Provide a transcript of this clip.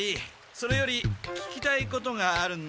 それより聞きたいことがあるんだけど。